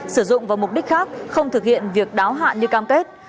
sử dụng vào mục đích khác không thực hiện việc đáo hạn như cam kết